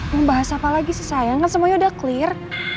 membahas apa lagi sih sayang kan semuanya udah clear